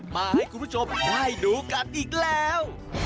มาให้คุณผู้ชมได้ดูกันอีกแล้ว